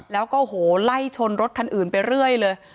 แล้วก็โอ้โหไล่ชนรถคันอื่นไปเรื่อยเลย